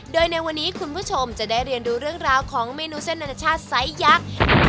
โดยในวันนี้คุณผู้ชมจะได้เรียนดูเรื่องราวของเมนูเส้นอนาชาติไซส์ยักษ์